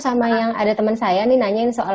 sama yang ada teman saya nih nanyain soal